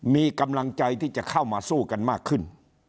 มีกำลังใจที่จะเข้ามาสู้กันมากขึ้น